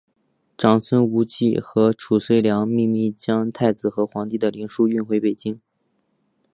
长孙无忌和褚遂良秘密将太子和皇帝的灵柩运送回京。